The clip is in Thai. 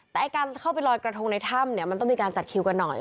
แต่การเข้าไปลอยกระทงในถ้ำเนี่ยมันต้องมีการจัดคิวกันหน่อย